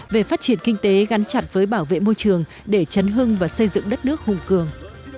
về phát triển kinh tế gắn chặt với bảo vệ môi trường để chấn hương và xây dựng đất nước hùng cường